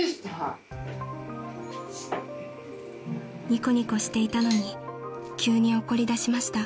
［ニコニコしていたのに急に怒りだしました］